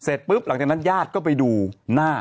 เสร็จปุ๊บหลังจากนั้นญาติก็ไปดูหน้า